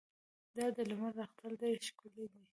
دا د لمر راختل ډېر ښکلی دي.